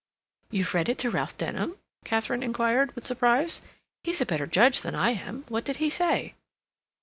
"You've read it to Ralph Denham?" Katharine inquired, with surprise. "He's a better judge than I am. What did he say?"